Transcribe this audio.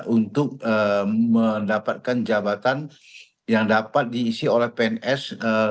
untuk mendapatkan jabatan yang dapat diisi oleh pns